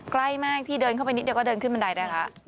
ใกล้มากพี่เดินเข้าไปนิดเดียวก็เดินขึ้นบันไดได้แล้ว